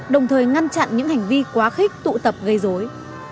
đồng thời ngăn chặn những hành vi quá khích tụ tập gây dối